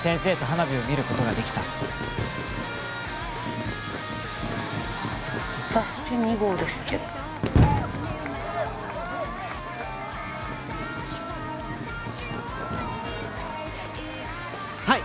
先生と花火を見ることができたサスケ２号ですけどはい！